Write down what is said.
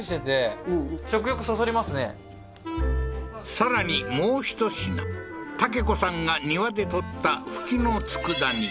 さらにもうひと品たけ子さんが庭で採った蕗の佃煮